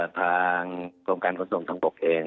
ทางกรมการค้นส่งต่างปกเอง